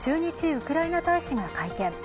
ウクライナ大使が会見。